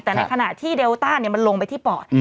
แต่ในขณะที่เดลต้ามันลงไปที่ปอด